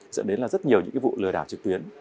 dẫn đến là rất nhiều những vụ lừa đảo trực tuyến